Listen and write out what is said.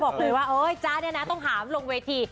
คือว่าจ้าเนี่ยนะต้องหาลงเวที